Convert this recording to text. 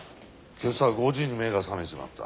今朝５時に目が覚めちまった。